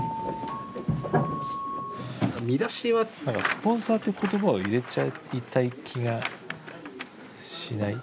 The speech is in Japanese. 「スポンサー」って言葉を入れちゃいたい気がしない？